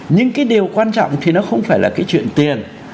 nhưng cái điều quan trọng thì nó không phải là cái chuyện tiền